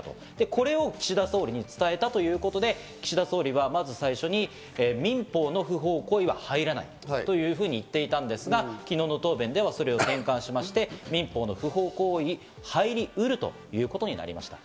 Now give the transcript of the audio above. これを岸田総理に伝えたということで、岸田総理はまず最初に民法の不法行為は入らないというふうに言っていたんですが、昨日の答弁ではそれを転換しまして民法の不法行為に入りうるということになりました。